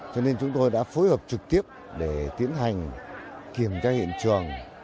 cho nên chúng tôi đã phối hợp trực tiếp để tiến hành kiểm tra hiện trường